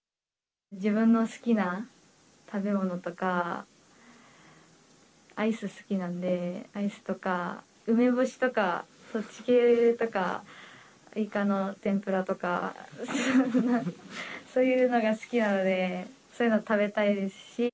自分の好きな食べ物とか、アイス好きなんで、アイスとか、梅干しとか、そっち系とか、イカの天ぷらとか、そういうのが好きなので、そういうの食べたいですし。